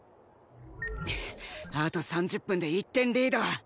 あと３０分で１点リード。